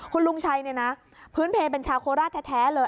คุณลุงชัยเนี่ยนะพื้นเพลเป็นชาวโคราชแท้เลย